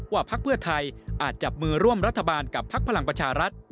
พักเพื่อไทยอาจจับมือร่วมรัฐบาลกับพักพลังประชารัฐ